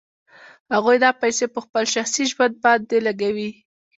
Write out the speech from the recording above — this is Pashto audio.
هغوی دا پیسې په خپل شخصي ژوند باندې لګوي